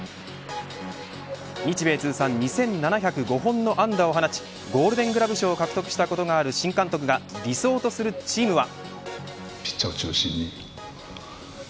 日米通算２７０５本の安打を放ちゴールデングラブ賞を獲得したことがある新監督が理想とするチームは。